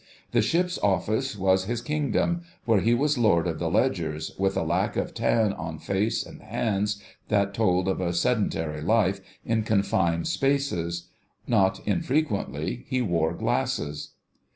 The ship's Office was his kingdom, where he was Lord of the Ledgers, with a lack of tan on face and hands that told of a sedentary life in confined spaces: not infrequently he wore glasses.